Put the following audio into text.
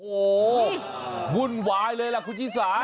โหหุ้นวายเลยล่ะคุณชิสา